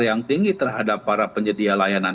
yang tinggi terhadap para penyedia layanan